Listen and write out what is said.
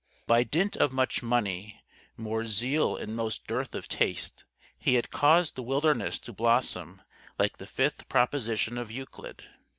By dint of much money, more zeal and most dearth of taste, he had caused the wilderness to blossom like the Fifth Proposition of Euclid.